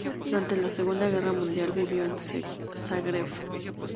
Durante la segunda guerra mundial vivió en Zagreb.